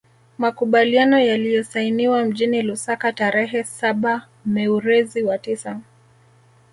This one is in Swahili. Makubaliano yaliyosainiwa mjini Lusaka tarehe saba mewrezi wa tisa